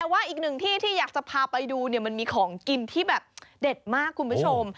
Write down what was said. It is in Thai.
แต่ว่าอีกหนึ่งที่ที่อยากจะพาไปดูเนี่ยมันมีของกินที่แบบเด็ดมากคุณผู้ชม